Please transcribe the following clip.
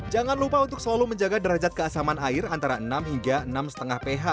jangan lupa untuk selalu menjaga derajat keasaman air antara enam hingga enam lima ph